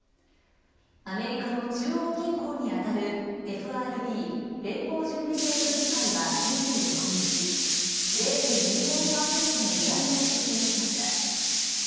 アメリカの中央銀行にあたるＦＲＢ連邦準備制度理事会は２６日０．２５％の利上げを決定しました。